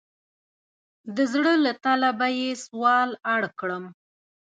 د زړه له تله به یې سوال اړ کړم.